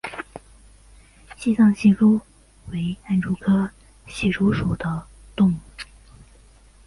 西藏隙蛛为暗蛛科隙蛛属的动物。